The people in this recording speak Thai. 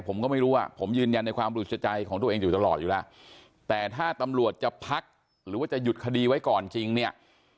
ผมก็ไม่รู้อ่ะผมยืนยันในความรู้สึกใจของตัวเองอยู่ตลอดอยู่แล้วแต่ถ้าตำรวจจะพักหรือว่าจะหยุดคดีไว้ก่อนจริงเนี่ย